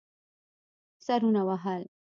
سرونه وهل.